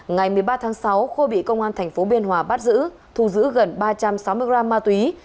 ngày một mươi ba tháng sáu khôi bị công an thành phố biên hòa bắt giữ thu giữ gần ba trăm sáu mươi gram ma túy